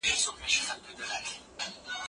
استبدادي سياست د ټولني د پرمختګ مخه نيسي.